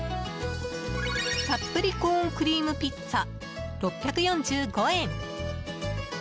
たっぷりコーンクリームピッツァ６４５円。